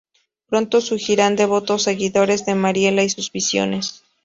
Pronto surgirán devotos seguidores de Mariela y sus visiones.